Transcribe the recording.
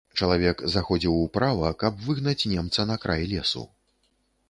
Чалавек заходзіў управа, каб выгнаць немца на край лесу.